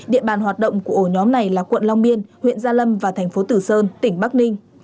địa bàn hoạt động của ổ nhóm này là quận long biên huyện gia lâm và thành phố tử sơn tỉnh bắc ninh